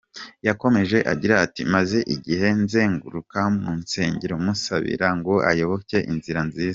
Yakomeje agira ati :« Maze igihe nzenguruka mu nsengero musabira ngo ayoboke inzira nziza.